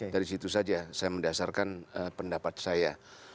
dari situ saja saya mendasarkan pendapat saya